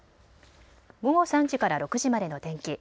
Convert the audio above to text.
午後３時から６時までの天気。